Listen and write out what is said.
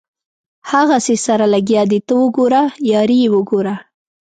هغسې سره لګیا دي ته وګوره یاري یې وګوره.